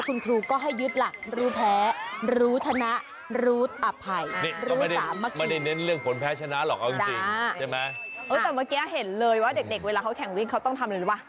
เออแต่เมื่อกี้เฮ่ยเห็นเลยว่าเด็กเวลาเขาแข่งวิ่งเขาต้องทำอะไรด้วยป่ะ